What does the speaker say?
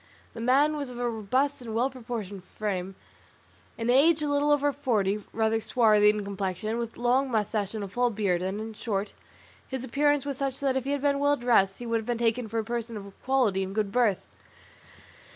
The man was of a robust and well proportioned frame, in age a little over forty, rather swarthy in complexion, with long moustaches and a full beard, and, in short, his appearance was such that if he had been well dressed he would have been taken for a person of quality and good birth.